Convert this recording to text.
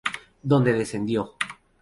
Donde descendió.